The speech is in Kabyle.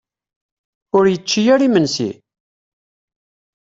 Ur yečči ara imensi?